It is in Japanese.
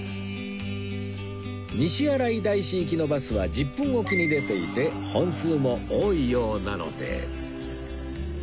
西新井大師行きのバスは１０分おきに出ていて本数も多いようなので